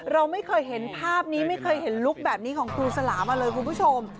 เราไม่เคยเห็นภาพนี้ไม่เคยเห็นลุคแบบนี้ของครูสลามาเลยคุณผู้ชม